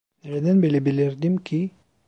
Nereden bilebilirdim ki?